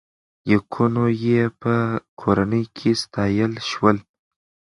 لیکونو یې په کورنۍ کې ستایل شول.